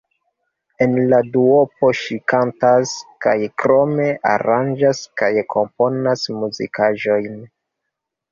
En la duopo ŝi kantas, kaj krome aranĝas kaj komponas muzikaĵojn.